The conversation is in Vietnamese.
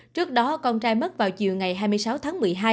trước đó con trai mất vào chiều ngày hai mươi sáu tháng một mươi hai